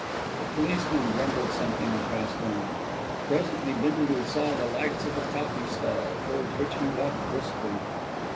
The policeman grumbled something and passed on. Presently Bindle saw the lights of a coffee stall, towards which he walked briskly.